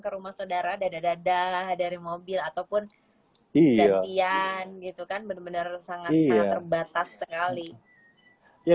ke rumah saudara dadah dari mobil ataupun dantian gitu kan bener bener sangat terbatas sekali ya